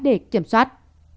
để kiểm soát